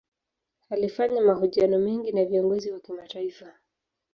Alifanya mahojiano mengi na viongozi wa kimataifa.